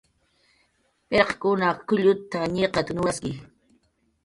"Pirqkunaq k""ullut""a, ñiqat"" nurasli"